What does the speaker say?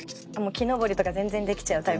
木登りとか全然できちゃうタイプ？